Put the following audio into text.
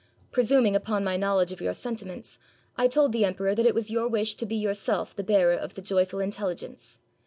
Presuming upon my knowledge of your sentiments, I told the emperor that it was your wish to be yourself the bearer of the joyful intelligence.